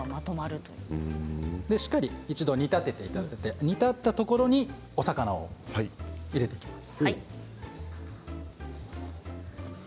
一度しっかり煮立てていただいて煮立ったところにお魚を入れていきます。